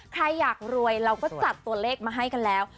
ใครอยากรวยเราก็จัดตัวเลขมาให้กันแล้ว